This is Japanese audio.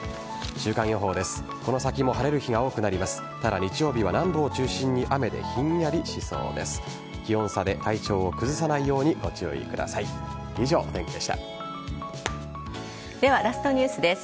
週間予報です。